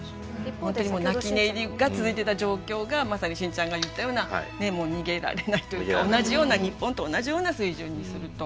本当にもう泣き寝入りが続いてた状況がまさにしんちゃんが言ったような逃げられないというか日本と同じような水準にすると。